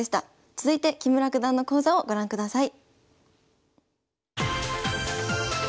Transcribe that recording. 続いて木村九段の講座をご覧ください。